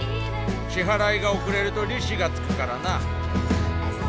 支払いが遅れると利子がつくからな。